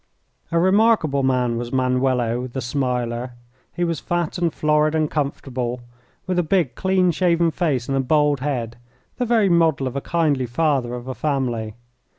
A remarkable man was Manuelo, "The Smiler." He was fat and florid and comfortable, with a big, clean shaven face and a bald head, the very model of a kindly father of a family.